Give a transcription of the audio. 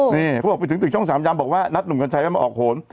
นี่เขาบอกไปถึงตึกช่อง๓ยำบอกว่านัดหนุ่มกัญชัยว่ามาออกโหน